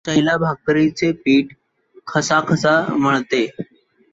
शैला भाकरीचे पीठ खसाखसा मळते.